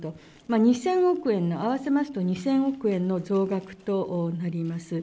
２０００億円の、合わせますと２０００億円の増額となります。